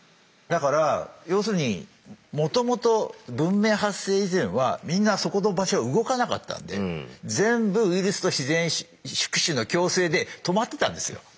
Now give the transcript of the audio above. だから要するにもともと文明発生以前はみんなそこの場所を動かなかったんで全部ウイルスと自然宿主の共生で止まってたんですよ。